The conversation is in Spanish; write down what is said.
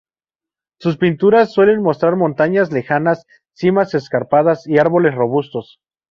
Sus pinturas suelen mostrar montañas lejanas, cimas escarpadas y árboles robustos.